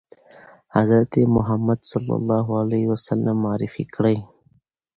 حضرت محمد معرفي کړی ؟